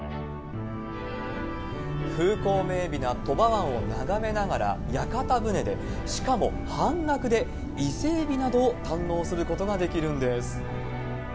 風光明媚な鳥羽湾を眺めながら、屋形船で、しかも半額で伊勢エビなどを堪能することができるんです。